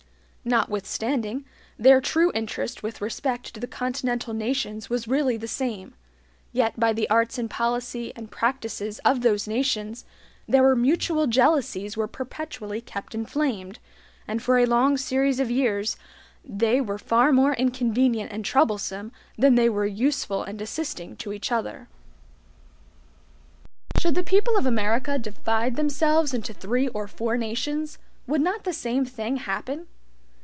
Notwithstanding their true interest with respect to the continental nations was really the same, yet by the arts and policy and practices of those nations, their mutual jealousies were perpetually kept inflamed, and for a long series of years they were far more inconvenient and troublesome than they were useful and assisting to each other. Should the people of America divide themselves into three or four nations, would not the same thing happen?